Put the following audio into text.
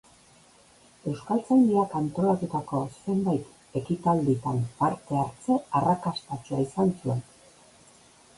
Euskaltzaindiak antolatutako zenbait ekitalditan parte hartze arrakastatsua izan zuen.